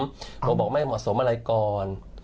บอกไม่เหมาะสมอะไรก่อน